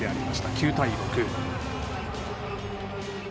９対６。